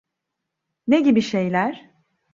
Ne gibi şeyler?